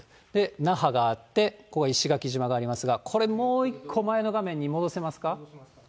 那覇があって、ここが石垣島がありますが、これ、もう１個前の画面に戻せますか。